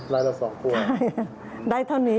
อ๋อรายละ๒ขวด